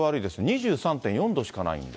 ２３．４度しかないんだ。